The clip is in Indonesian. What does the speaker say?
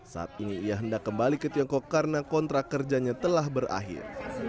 saat ini ia hendak kembali ke tiongkok karena kontrak kerjanya telah berakhir